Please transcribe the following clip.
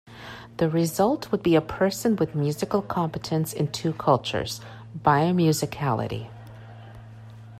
The result would be a person with musical competence in two cultures: "bi-musicality".